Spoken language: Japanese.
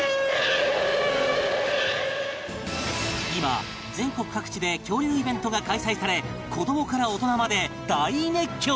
今全国各地で恐竜イベントが開催され子どもから大人まで大熱狂！